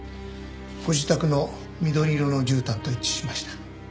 ご自宅の緑色のじゅうたんと一致しました。